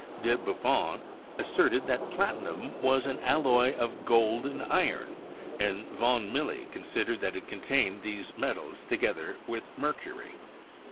De Buffon asserted that platinum was an alloy of gold and iron, and von Milly considered that it contained these metals, together with mercury.